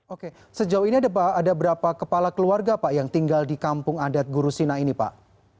oke sejauh ini ada berapa kepala keluarga pak yang tinggal di kampung adat gurusina ini pak